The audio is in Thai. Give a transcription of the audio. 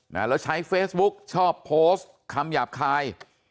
แล้วใช้เฟซบุ๊กชอบโพสต์คำหยาบคาย